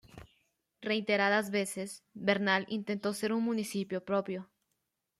Reiteradas veces, Bernal intentó ser un municipio propio.